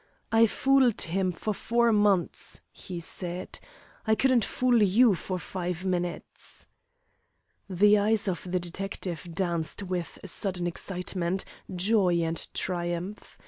"I fooled him for four months," he said. "I couldn't fool you for five minutes." The eyes of the detective danced with sudden excitement, joy, and triumph.